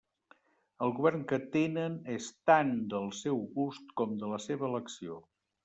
El govern que tenen és tant del seu gust com de la seva elecció.